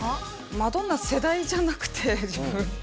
マドンナ世代じゃなくて自分。